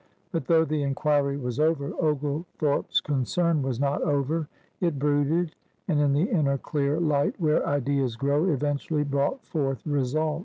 But though the inquiry was over, Oglethorpe's concern was not over. It brooded, and, in the inner clear light where ideas grow, eventually brought forth results.